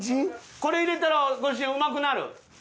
これ入れたらご主人うまくなる？